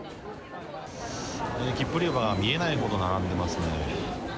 切符売り場が見えないほど並んでますね。